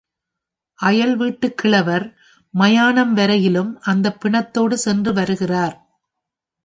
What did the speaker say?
அயல் வீட்டுக் கிழவர் மயானம் வரையிலும் அந்தப் பிணத்தோடு சென்று வருகிறார்.